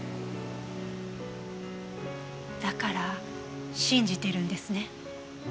だから信じてるんですね。